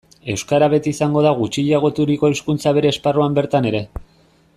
Euskara beti izango da gutxiagoturiko hizkuntza bere esparruan bertan ere.